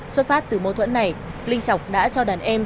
xuất phát từ mâu thuẫn này linh chọc đã cho đàn em